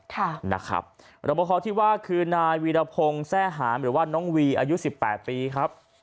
ค่ะนะครับรบภพที่ว่าคือนายวีรพงศ์แทร่หามหรือว่าน้องวีอายุ๑๘ปีครับ